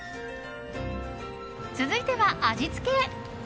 続いては味付け。